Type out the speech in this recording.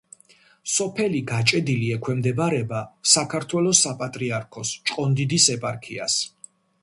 სოფელი გაჭედილი ექვემდებარება საქართველოს საპატრიარქოს ჭყონდიდის ეპარქიას.